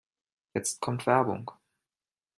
Jetzt kommt Werbung.